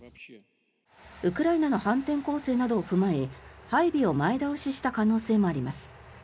ウクライナの反転攻勢などを踏まえ配備を前倒しした可能性もあります。